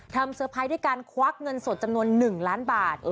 เซอร์ไพรส์ด้วยการควักเงินสดจำนวน๑ล้านบาท